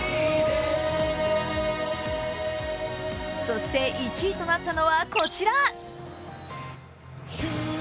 そして１位となったのは、こちら。